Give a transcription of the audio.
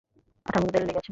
আঠার মতো দেয়ালে লেগে আছে?